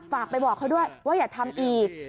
ฝากไปบอกเขาด้วยว่าอย่าทำอีก